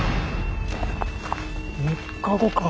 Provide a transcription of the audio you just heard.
３日後か。